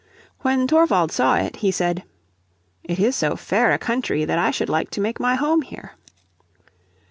When Thorvald saw it he said, "It is so fair a country that I should like to make my home here."